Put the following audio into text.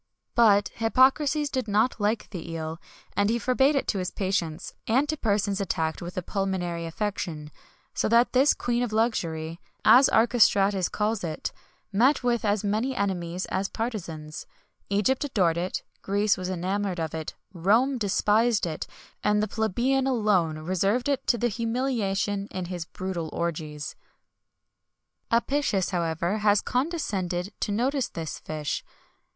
[XXI 128] But Hippocrates did not like the eel, and he forbade it to his patients, and to persons attacked with a pulmonary affection.[XXI 129] So that this Queen of Luxury, as Archestrates calls it,[XXI 130] met with as many enemies as partisans. Egypt adored it, Greece was enamoured of it, Rome despised it, and the plebeian alone reserved it to the humiliation in his brutal orgies.[XXI 131] Apicius, however, has condescended to notice this fish.